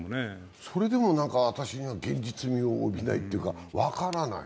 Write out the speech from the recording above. それでも、現実味を帯びないというか、私には分からない。